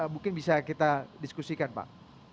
mungkin bisa kita diskusikan pak